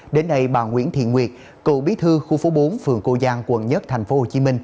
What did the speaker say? đến nay bà nguyễn thiện nguyệt cựu bí thư khu phố bốn phường cô giang quận một tp hcm